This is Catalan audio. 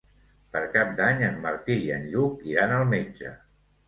Per Cap d'Any en Martí i en Lluc iran al metge.